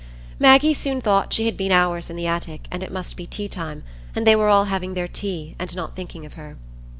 Maggie soon thought she had been hours in the attic, and it must be tea time, and they were all having their tea, and not thinking of her.